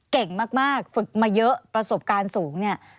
เก่งมากฝึกมาเยอะประสบการณ์สูงเนี่ย